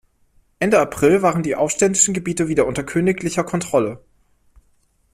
Ende April waren die aufständischen Gebiete wieder unter königlicher Kontrolle.